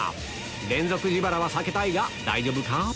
連続自腹は避けたいが大丈夫か？